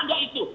nggak ada itu